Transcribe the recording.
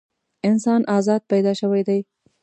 انسان ازاد پیدا شوی دی.